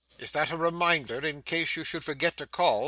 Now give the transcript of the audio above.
'Is that a reminder, in case you should forget to call?